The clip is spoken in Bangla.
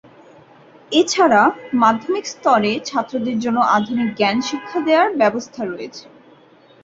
এছাড়া মাধ্যমিক স্তরে ছাত্রদের জন্যে আধুনিক জ্ঞান শিক্ষা দেয়ার ব্যবস্থা রয়েছে।